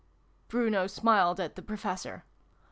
' Bruno smiled at the Professor.